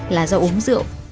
là do uống rượu